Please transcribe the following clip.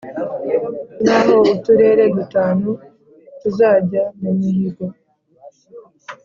naho uturere dutanu tuzajya mumihigo